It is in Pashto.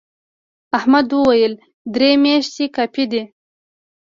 احمد وويل: درې میاشتې کافي دي.